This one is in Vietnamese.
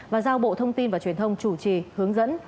và giao bộ thông tin và truyền thông chủ trì hướng dẫn